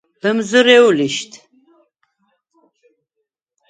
ლჷმზჷრე̄უ̂ ლიშდ!